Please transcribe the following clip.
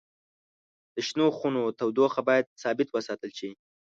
د شنو خونو تودوخه باید ثابت وساتل شي.